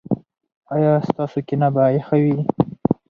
ایا ستاسو کینه به یخه وي؟